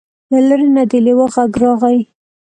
له لرې نه د لیوه غږ راغی.